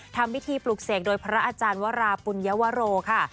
ทำพิธีปลุกเสกโดยพระอาจารย์วราปุญวโรค่ะ